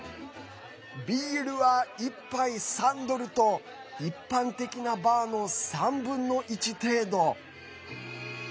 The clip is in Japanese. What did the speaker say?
ビールは１杯３ドルと一般的なバーの３分の１程度。